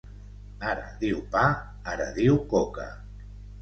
Ara diu pa, ara diu coca.